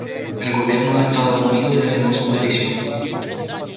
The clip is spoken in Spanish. El gobierno de los Estados Unidos le negó su petición.